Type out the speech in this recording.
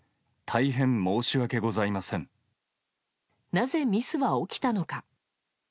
なぜ、ミスは起きたのか。